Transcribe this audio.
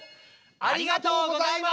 ありがとうございます。